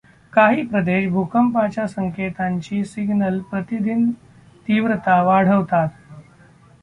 काही प्रदेश भूकंपाच्या संकेतांची सिग्नल्स प्रतिदिन तीव्रता वाढवतात.